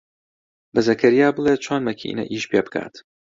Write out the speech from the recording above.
بە زەکەریا بڵێ چۆن مەکینەکە ئیش پێ بکات.